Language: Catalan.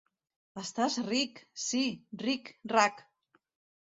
Estàs ric! —Sí, ric-rac!